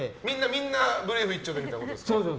みんなブリーフ一丁でみたいなことですか？